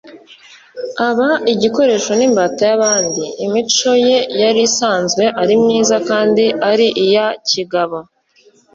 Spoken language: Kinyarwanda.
aba igikoresho n'imbata y'abandi. imico ye yari isanzwe ari myiza kandi ari iya kigabo